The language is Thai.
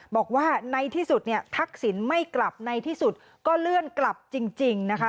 บอกว่าในที่สุดเนี่ยทักษิณไม่กลับในที่สุดก็เลื่อนกลับจริงนะคะ